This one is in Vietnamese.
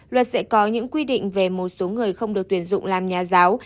luật sẽ có những quy định về một số người không được tuyển dụng làm nhà giáo